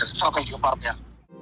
dan strategi kepartian